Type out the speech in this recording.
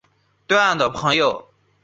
对岸的朋友